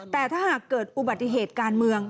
แต่ถ้าหากเกิดอุบัติเหตุการเมือง